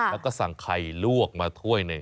แล้วก็สั่งไข่ลวกมาถ้วยหนึ่ง